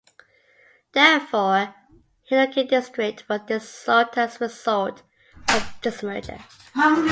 Therefore, Hienuki District was dissolved as a result of this merger.